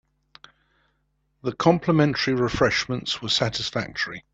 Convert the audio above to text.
The complimentary refreshments were satisfactory.